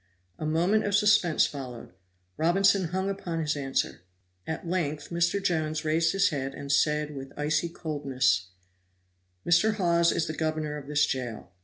A moment of suspense followed Robinson hung upon his answer. At length Mr. Jones raised his head and said, with icy coldness: "Mr. Hawes is the governor of this jail.